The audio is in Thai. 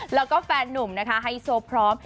และแฟนนุ่มให้โซ่พร้อม